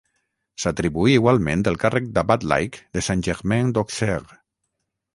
S'atribuí igualment el càrrec d'abat laic de Saint-Germain d'Auxerre.